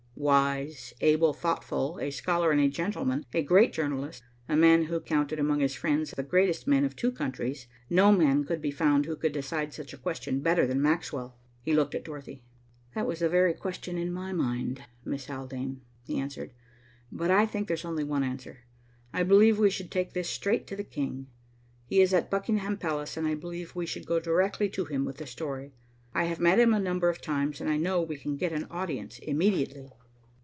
Wise, able, thoughtful, a scholar and a gentleman, a great journalist, a man who counted among his friends the greatest men of two countries, no man could be found who could decide such a question better than Maxwell. He looked at Dorothy. "That was the very question in my mind, Miss Haldane," he answered. "But I think there's only one answer. I believe we should take this straight to the King. He is at Buckingham Palace, and I believe we should go directly to him with the story. I have met him a number of times, and I know we can get an audience immediately."